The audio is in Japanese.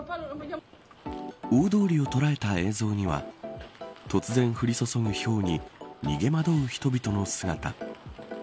大通りを捉えた映像には突然降り注ぐひょうに逃げ惑う人々の姿。